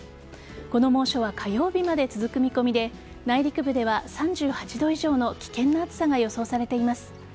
この猛暑は火曜日まで続く見込みで内陸部では３８度以上の危険な暑さが予想されています。